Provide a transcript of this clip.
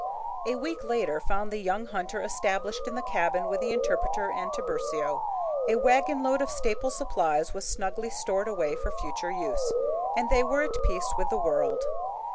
A week later found the young hunter established in the cabin with the interpreter and Tiburcio. A wagon load of staple supplies was snugly stored away for future use, and they were at peace with the world.